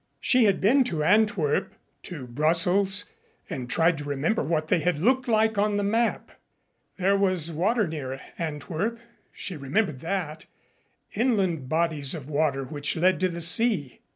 She had been to Antwerp, to Brussels, and tried to remember what they had looked like on the map. There was water near Antwerp she remembered that, inland bodies of water which led to the sea.